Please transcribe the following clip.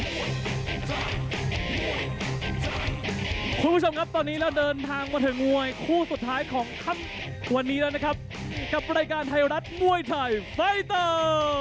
คุณผู้ชมครับตอนนี้เราเดินทางมาถึงมวยคู่สุดท้ายของค่ำวันนี้แล้วนะครับกับรายการไทยรัฐมวยไทยไฟเตอร์